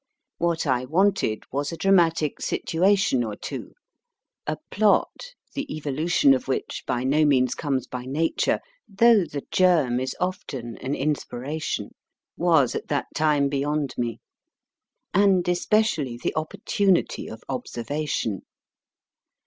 What I wanted was a dramatic situation or two (a plot, the evolution of which by no means comes by nature, though the germ is often an inspiration, was at that time beyond me), and especially the opportunity of observation.